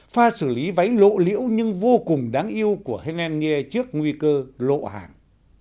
pha xử lý váy lộ liễu nhưng vô cùng đáng yêu của henan nghia trước nguy cơ lộ hàng